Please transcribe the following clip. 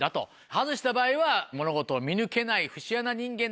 外した場合は物事を見抜けない節穴人間だと。